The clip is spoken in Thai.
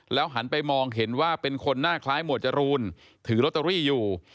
หันไปมองเห็นว่าเป็นคนหน้าคล้ายหมวดจรูนถือลอตเตอรี่อยู่